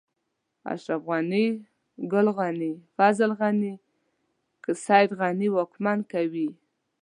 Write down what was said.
اشرف غني، ګل غني، فضل غني، که سيد غني واکمن کوي.